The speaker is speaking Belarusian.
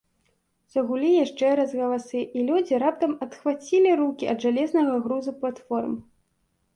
Загулі яшчэ раз галасы, і людзі раптам адхвацілі рукі ад жалезнага грузу платформ.